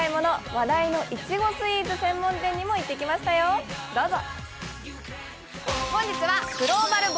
話題のいちごスイーツ専門店にも行ってきましたよ、どうぞ。